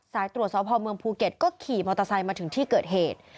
ตรวจสอบพอเมืองภูเก็ตก็ขี่มอเตอร์ไซค์มาถึงที่เกิดเหตุ